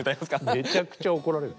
めちゃくちゃ怒られる。